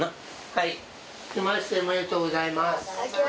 はい明けましておめでとうございます